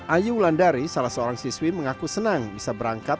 ayu wulandari salah seorang siswi mengaku senang bisa berangkat